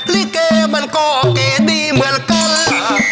ริเกย์มันก็เกย์ดีเหมือนกัน